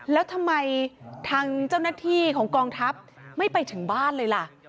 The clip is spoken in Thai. แล้วทำไมทางเจ้าหน้าที่ของกองทัพไม่ไปถึงบ้านเลยล่ะ